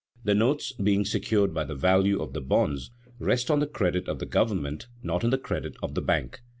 The notes, being secured by the value of the bonds, rest on the credit of the government, not on the credit of the bank.